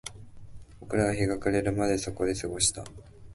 僕らは日が暮れるまでそこで過ごした